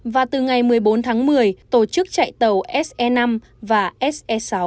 và từ ngày một mươi bốn tháng một mươi tổ chức chạy tàu se năm và se sáu